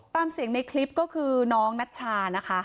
ตามเสียงในคลิปก็คือน้องนัชชานะคะ